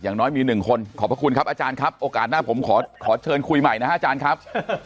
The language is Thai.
อย่างน้อยมีหนึ่งคนขอบพระคุณครับอาจารย์ครับโอกาสหน้าผมขอเชิญคุยใหม่นะฮะอาจารย์ครับ